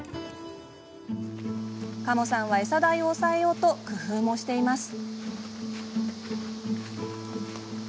加茂さんは、えさ代を抑えようと工夫もしています。